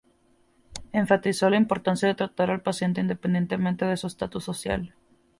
Enfatizó la importancia de tratar al paciente independientemente de su estatus social.